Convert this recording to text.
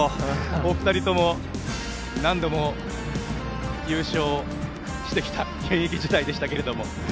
お二人とも何度も優勝してきた現役時代でしたけれども。